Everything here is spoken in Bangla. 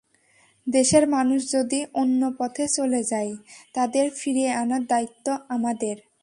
দেশের মানুষ যদি অন্য পথে চলে যায়, তাদের ফিরিয়ে আনার দায়িত্ব আমাদের।